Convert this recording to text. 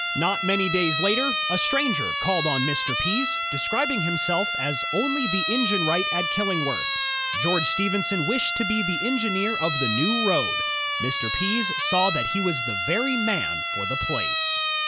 Not many days later, a stranger called on Mr. Pease, describing himself as "only the engine wright at Killingworth." George Stephenson wished to be the engineer of the new road. Mr. Pease saw that he was the very man for the place.